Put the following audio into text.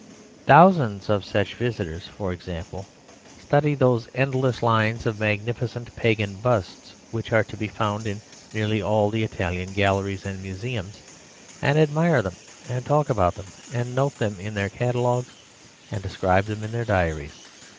Thousands of such visitors, for example, study those endless lines of magnificent Pagan busts which are to be found in nearly all the Italian galleries and museums, and admire them, and talk about them, and note them in their catalogues, and describe them in their diaries.